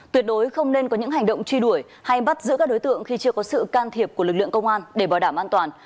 tuyệt đối không nên có những hành động truy đuổi hay bắt giữ các đối tượng khi chưa có sự can thiệp của lực lượng công an để bảo đảm an toàn